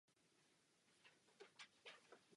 Nastupoval za švédskou fotbalovou reprezentaci.